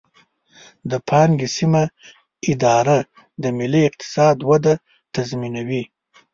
د پانګې سمه اداره د ملي اقتصاد وده تضمینوي.